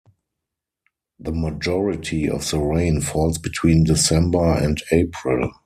The majority of the rain falls between December and April.